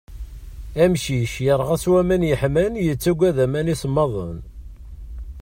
Amcic yerɣan s waman yeḥman yettaggad aman isemmaden.